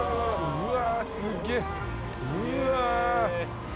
うわ！